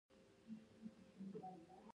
پرېولل شوي و، تعهد هغه وخت لا پای ته رسېدلی و.